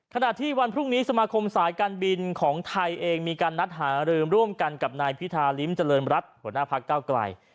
ขณะที่วันพรุ่งนี้สมาคมสายการบินของไทยเองมีการนัดหารือร่วมกันกับนายพิธาริมเจริญรัฐหัวหน้าพักเก้าไกล